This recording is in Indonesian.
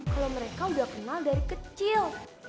kalau mereka udah kenal dari kecil